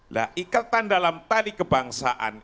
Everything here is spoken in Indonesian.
lah ikatan dalam tali kebangsaan